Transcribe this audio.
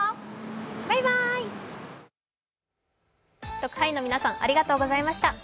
特派員の皆さん、ありがとうございました。